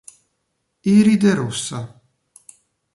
Iride rossa.